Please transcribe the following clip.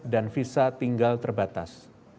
dan visa tinggal terbatas